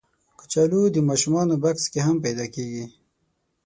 کچالو د ماشومانو بکس کې هم پیدا کېږي